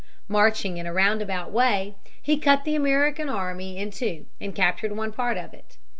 Marching in a round about way, he cut the American army in two and captured one part of it.